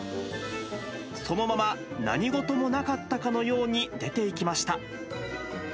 そのまま何事もなかったかのように出ていきました。